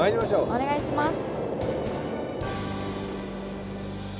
お願いします。